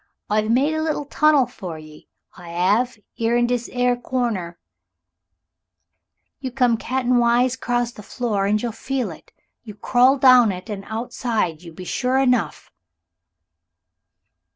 "I've made a liddle tunnel for 'e so I 'ave 'ere in dis 'ere corner you come caten wise crose the floor and you'll feel it. You crawl down it, and outside you be sure enough."